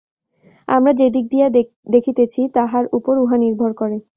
আমরা যে দিক দিয়া দেখিতেছি, তাহার উপর উহা নির্ভর করে।